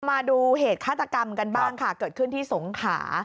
มาดูเหตุฆาตกรรมกันบ้างค่ะเกิดขึ้นที่สงขา